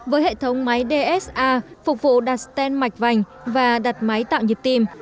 với hệ thống máy dsa phục vụ đặt stent mạch vành và đặt máy tạo nhịp tim